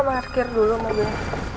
kamu gak mau akhir dulu mau gue